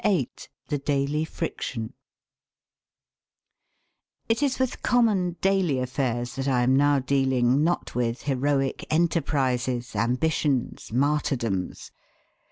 VIII THE DAILY FRICTION It is with common daily affairs that I am now dealing, not with heroic enterprises, ambitions, martyrdoms.